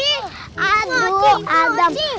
ihh aduh adam